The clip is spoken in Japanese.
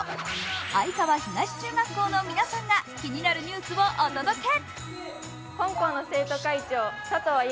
愛川東中学校の皆さんが気になるニュースをお届け。